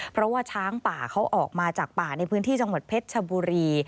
เพราะว่าช้างป่าเขาออกมาจากป่าในพื้นที่จังหวัดเพชรชบุรี